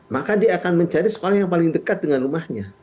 maka dia akan mencari sekolah yang paling dekat dengan rumahnya